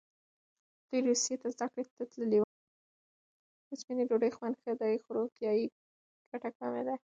د سپینې ډوډۍ خوند ښه دی، خو روغتیايي ګټې کمې دي.